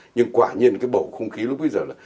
nhưng quả nhiên cái bầu không khí lúc bây giờ là